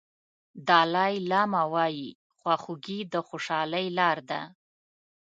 دالای لاما وایي خواخوږي د خوشالۍ لار ده.